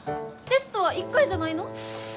テストは１回じゃないの？